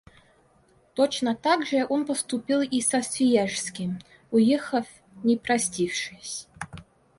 Точно так же он поступил и со Свияжским, уехав, не простившись.